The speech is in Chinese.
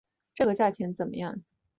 这个价钱怎么样？